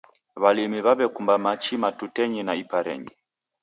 W'alimi w'aw'ekumba machi matutenyi na iparenyi